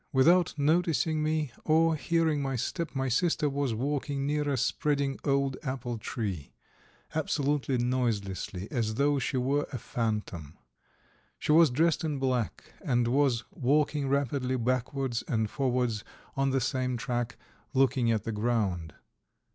Without noticing me, or hearing my step, my sister was walking near a spreading old apple tree, absolutely noiselessly as though she were a phantom. She was dressed in black, and was walking rapidly backwards and forwards on the same track, looking at the ground.